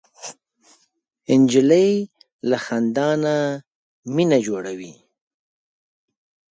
نجلۍ له خندا نه مینه جوړوي.